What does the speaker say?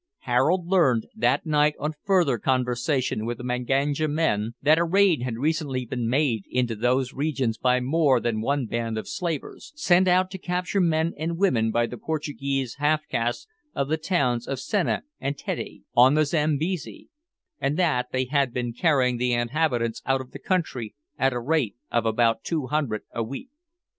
Harold learned, that night on further conversation with the Manganja men, that a raid had recently been made into those regions by more than one band of slavers, sent out to capture men and women by the Portuguese half castes of the towns of Senna and Tette, on the Zambesi, and that they had been carrying the inhabitants out of the country at the rate of about two hundred a week.